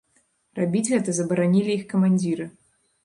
Рабіць гэта забаранілі іх камандзіры.